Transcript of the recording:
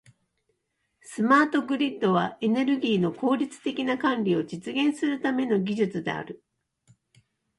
スマートグリッドは、エネルギーの効率的な管理を実現するための技術である。